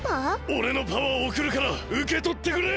おれのパワーをおくるからうけとってくれ！